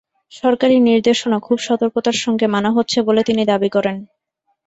সরকারি নির্দেশনা খুব সতর্কতার সঙ্গে মানা হচ্ছে বলে তিনি দাবি করেন।